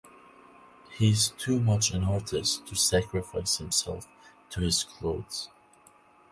He is too much an artist to sacrifice himself to his clothes.